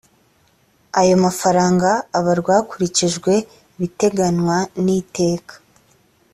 ayo mafaranga abarwa hakurikijwe ibiteganywa n’iteka